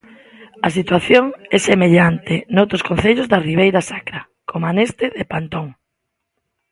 A situación é semellante noutros concellos da Ribeira Sacra, coma neste de Pantón.